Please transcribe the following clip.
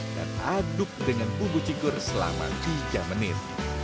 dan aduk dengan bumbu cikur selama tiga menit